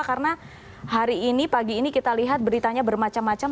karena hari ini pagi ini kita lihat beritanya bermacam macam